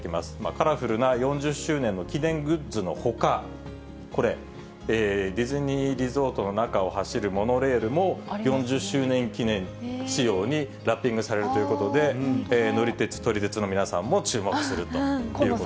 カラフルな４０周年の記念グッズのほか、これ、ディズニーリゾートの中を走るモノレールも、４０周年記念、仕様にラッピングされるということで、乗り鉄、撮り鉄の皆さんも注目するということです。